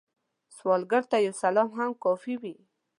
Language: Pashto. سوالګر ته یو سلام هم کافی وي